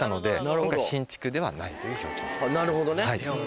なるほどね。